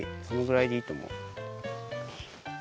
そのぐらいでいいとおもう。